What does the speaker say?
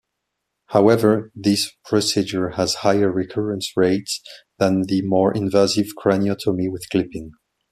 However, this procedure has higher recurrence rates than the more invasive craniotomy with clipping.